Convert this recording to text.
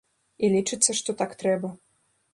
І лічыцца, што так трэба.